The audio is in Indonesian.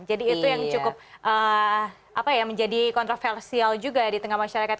jadi itu yang cukup menjadi kontroversial juga di tengah masyarakat